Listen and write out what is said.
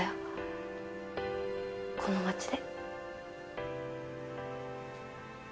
この町で。